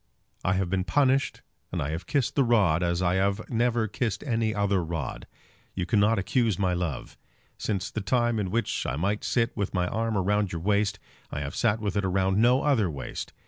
I have been punished, and I have kissed the rod, as I never kissed any other rod. You cannot accuse my love. Since the time in which I might sit with my arm round your waist, I have sat with it round no other waist.